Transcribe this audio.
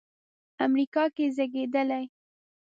امریکا کې زېږېدلی.